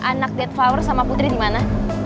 anak dead flower sama putri dimana